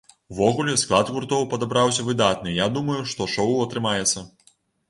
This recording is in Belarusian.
Увогуле, склад гуртоў падабраўся выдатны і я думаю, што шоў атрымаецца.